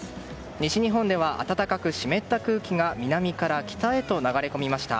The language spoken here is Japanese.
西日本では暖かく湿った空気が南から北へと流れ込みました。